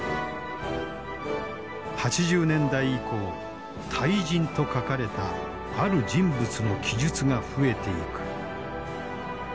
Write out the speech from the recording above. ８０年代以降「大人」と書かれたある人物の記述が増えていく。